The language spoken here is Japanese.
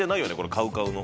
ＣＯＷＣＯＷの。